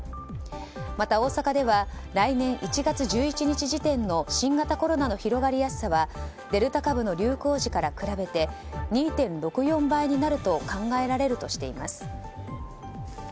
また大阪では来年１月１１日時点の新型コロナの広がりやすさはデルタ株の流行時から比べて２．６４倍になると考えられるとしています。